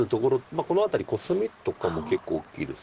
この辺りコスミとかも結構大きいですか。